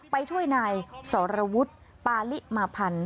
ไปช่วยนายสรวุฒิปาลิมาพันธ์